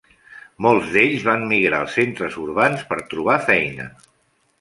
Molts d"ells van migrar als centres urbans per trobar feina.